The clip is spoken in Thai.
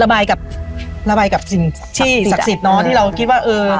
ระบายกับระบายกับสิ่งที่ศักดิ์สิทธิเนอะที่เราคิดว่าเออ